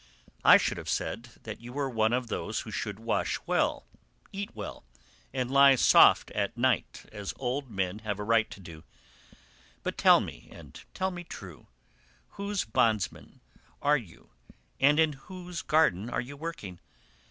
I should have said that you were one of those who should wash well, eat well, and lie soft at night as old men have a right to do; but tell me, and tell me true, whose bondman are you, and in whose garden are you working?